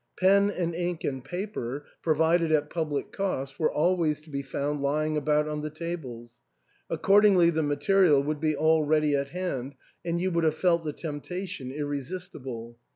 Pen and ink and paper^ provided at public cost, were always to be found lying about on the tables ; accordingly the material would be all ready at hand, and you would have felt the temptation irre sistible.